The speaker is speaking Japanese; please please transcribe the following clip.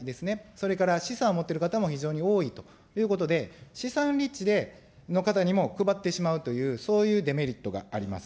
それから資産を持ってる方も非常に多いということで、資産リッチの方にも配ってしまうという、そういうデメリットがあります。